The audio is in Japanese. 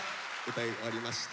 歌い終わりました。